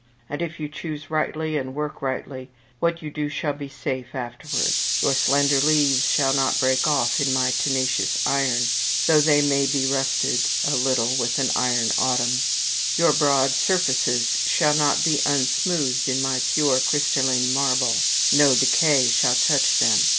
And if you choose rightly and work rightly, what you do shall be safe afterwards. Your slender leaves shall not break off in my tenacious iron, though they may be rusted a little with an iron autumn. Your broad surfaces shall not be unsmoothed in my pure crystalline marble no decay shall touch them.